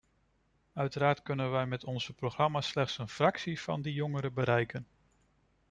Uiteraard kunnen wij met onze programma's slechts een fractie van die jongeren bereiken.